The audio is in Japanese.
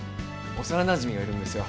幼なじみがいるんですよ。